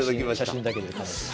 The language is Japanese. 写真だけではい。